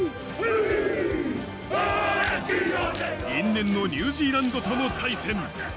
因縁のニュージーランドとの対戦。